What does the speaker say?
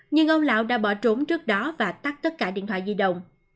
nhưng ông lạo đã bỏ trốn trước đó và tắt tất cả điện thoại di động